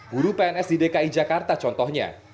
guru pns di dki jakarta contohnya